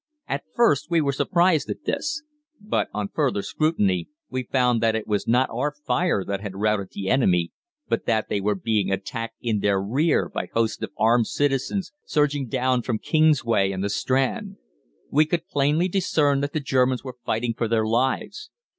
At first we were surprised at this; but on further scrutiny we found that it was not our fire that had routed the enemy, but that they were being attacked in their rear by hosts of armed citizens surging down from Kingsway and the Strand. "We could plainly discern that the Germans were fighting for their lives.